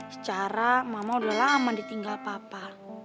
secara mama udah lama ditinggal papa